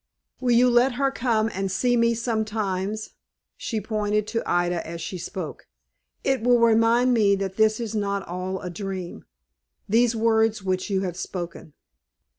"Will you let her come and see me sometimes?" she pointed to Ida as she spoke; "it will remind me that this is not all a dream these words which you have spoken."